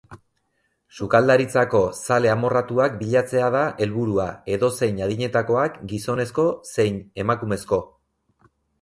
Sukaldaritzako zale amorratuak bilatzea da helburua, edozein adinetakoak, gizonezko zein emakumezko.